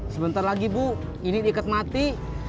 sebentar lagi bu ini diikat mati